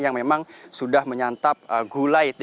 yang memang sudah menyantap gulai